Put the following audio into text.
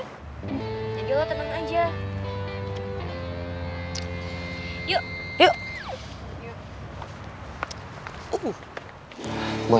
ya jelah tenang aja